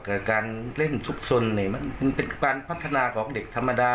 กับการเล่นซุกสนมันเป็นการพัฒนาของเด็กธรรมดา